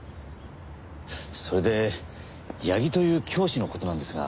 それで矢木という教師の事なんですが。